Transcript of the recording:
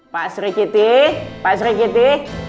pak sri kiti pak sri kiti